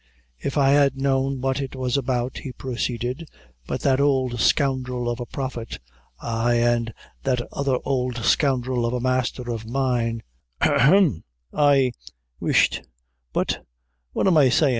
"If I had known what it was about," he proceeded; "but that ould scoundrel of a Prophet ay, an' that other ould scoundrel of a masther o' mine hem ay whish but what am I sayin'?